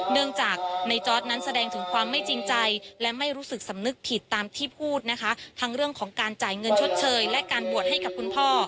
เนื่องจากในจอร์ดนั้นแสดงถึงความไม่จริงใจและไม่รู้สึกสำนึกผิดตามที่พูดนะคะทั้งเรื่องของการจ่ายเงินชดเชยและการบวชให้กับคุณพ่อ